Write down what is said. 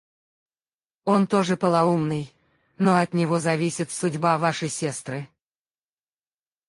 Он тоже полоумный, но от него зависит судьба вашей сестры.